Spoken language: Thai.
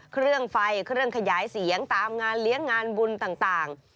เครื่องไฟเครื่องขยายเสียงตามงานเลี้ยงงานบุญต่าง